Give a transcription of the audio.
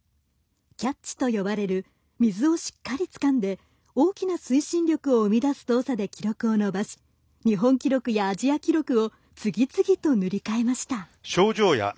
キャッチと呼ばれる水をしっかりつかんで大きな推進力を生み出す動作で記録を伸ばし日本記録やアジア記録を次々と塗り替えました。